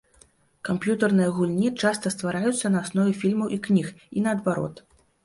Камп'ютарныя гульні часта ствараюцца на аснове фільмаў і кніг, і наадварот.